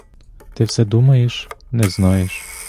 Ти все думаєш: не знаєш!